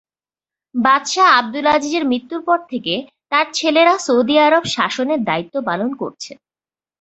বাদশাহ আবদুল আজিজের মৃত্যুর পর থেকে তার ছেলেরা সৌদি আরব শাসনের দায়িত্ব পালন করছেন।